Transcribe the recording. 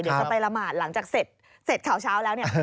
จะไปรามาทหลังจากเสร็จเสร็จเผาเช้าแล้ว